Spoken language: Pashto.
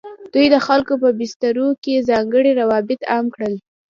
دوی د خلکو په بسترو کې ځانګړي روابط عام کړل.